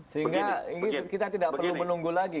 sehingga kita tidak perlu menunggu lagi